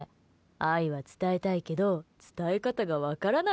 さてはお前愛は伝えたいけど伝え方が分からない